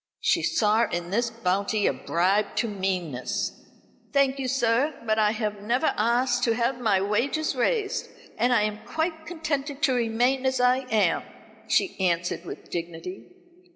She saw in this bounty a bribe to meanness. "Thank you, sir; but I have never asked to have my wages raised, and I am quite contented to remain as I am," she answered with dignity.